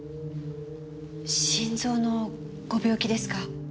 心臓のご病気ですか？